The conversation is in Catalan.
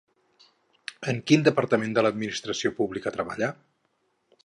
En quin departament de l'administració pública treballa?